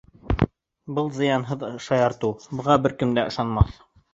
Был зыянһыҙ шаяртыу. Быға бер кем дә ышанмаҫ.